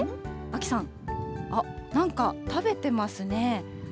秋さん、あっ、なんか食べてますね。